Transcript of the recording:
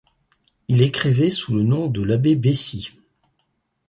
Il écrivait sous le nom de l'abbé Baissie.